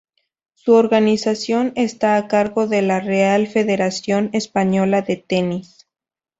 Su organización está a cargo de la Real Federación Española de Tenis.